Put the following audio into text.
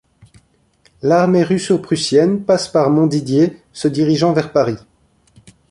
L'armée russo-prussienne passe par Montdidier se dirigeant vers Paris.